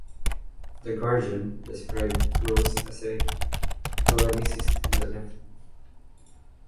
"The Guardian" described Rose as a "polemicist on the left.